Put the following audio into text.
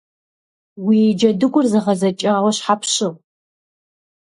Уи джэдыгур зэгъэдзэкӏауэ щхьэ пщыгъ?